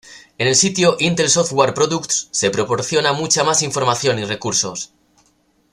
En el sitio Intel Software Products se proporciona mucha más información y recursos.